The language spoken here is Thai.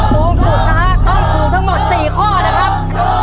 ถูกครับ